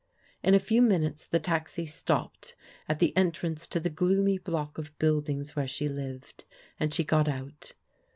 In a few minutes the taxi stopped at the entrance to the gloomy block of buildings where she lived, and she got out.